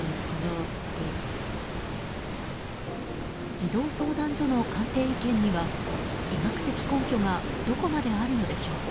児童相談所の鑑定意見には医学的根拠がどこまであるのでしょうか。